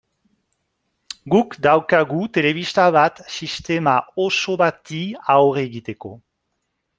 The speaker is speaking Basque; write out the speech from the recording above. Guk daukagu telebista bat sistema oso bati aurre egiteko.